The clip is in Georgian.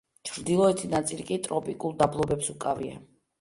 ჩრდილოეთი ნაწილი კი ტროპიკულ დაბლობებს უკავია.